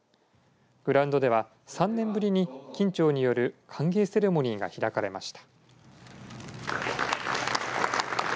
グラウンドでは、３年ぶりに金武町による歓迎セレモニーが開かれました。